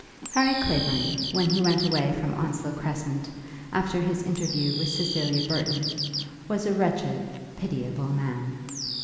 ] Harry Clavering, when he went away from Onslow Crescent, after his interview with Cecilia Burton, was a wretched, pitiable man.